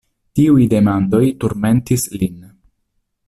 Tiuj demandoj turmentis lin.